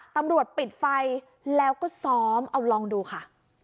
ปิดไฟแล้วก็ซ้อมเอาลองดูค่ะ